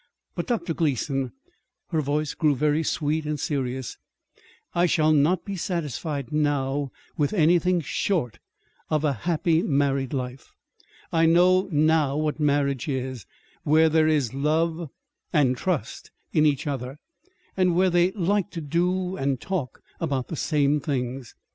But, Dr. Gleason," her voice grew very sweet and serious, "I shall not be satisfied now with anything short of a happy married life. I know now what marriage is, where there is love, and trust in each other, and where they like to do and talk about the same things.